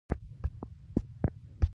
د طلايې جشن پرپلونو ناڅي